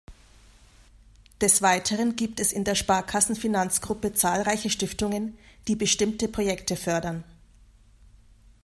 Des Weiteren gibt es in der Sparkassen-Finanzgruppe zahlreiche Stiftungen, die bestimmte Projekte fördern.